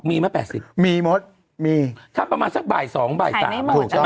มีไหมแปดสิบมีหมดมีถ้าประมาณสักบ่ายสองบ่ายตามถูกจ้อย